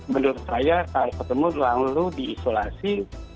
menurut saya kalau ketemu lalu diisolasi